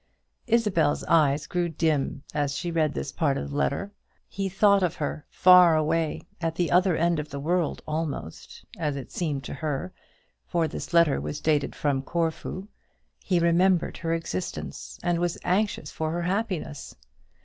Isabel's eyes grew dim as she read this part of the letter. He thought of her far away at the other end of the world almost, as it seemed to her, for his letter was dated from Corfu; he remembered her existence, and was anxious for her happiness!